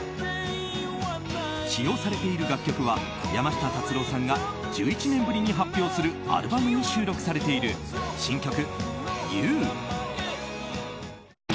使用されている楽曲は山下達郎さんが１１年ぶりに発表するアルバムに収録されている新曲「ＹＯＵ」。